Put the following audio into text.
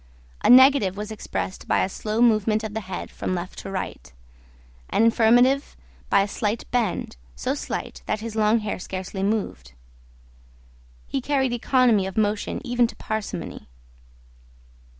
A negative was expressed by a slow movement of the head from left to right, an affirmative by a slight bend, so slight that his long hair scarcely moved. He carried economy of motion even to parsimony.